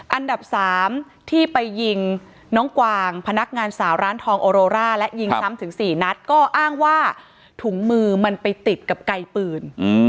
อันดับสามที่ไปยิงน้องกวางพนักงานสาวร้านทองโอโรร่าและยิงซ้ำถึง๔นัดก็อ้างว่าถุงมือมันไปติดกับไกลปืน